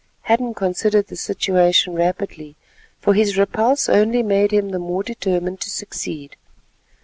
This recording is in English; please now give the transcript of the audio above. Hadden considered the situation rapidly, for his repulse only made him the more determined to succeed.